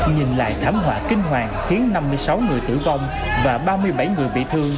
nhìn lại thảm họa kinh hoàng khiến năm mươi sáu người tử vong và ba mươi bảy người bị thương